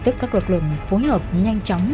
đối tượng phối hợp nhanh chóng